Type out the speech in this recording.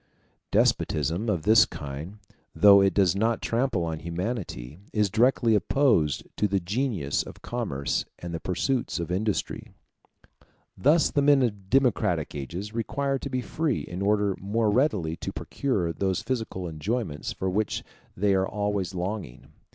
Despotism of this kind, though it does not trample on humanity, is directly opposed to the genius of commerce and the pursuits of industry. Thus the men of democratic ages require to be free in order more readily to procure those physical enjoyments for which they are always longing.